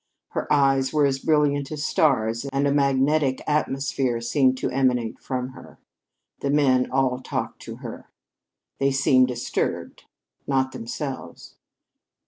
Her eyes were as brilliant as stars, and a magnetic atmosphere seemed to emanate from her. The men all talked to her. They seemed disturbed not themselves.